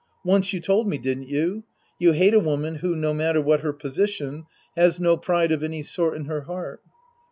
Once you told me, didn't you ? You hate a woman who, no matter what her position, has no pride of any sort in her heart.